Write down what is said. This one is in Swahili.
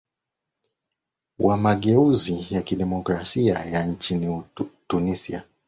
wamageuzi ya kidemokrasia ya nchini tunisia